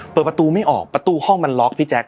เปิดประตูไม่ออกประตูห้องมันล็อกพี่แจ๊ค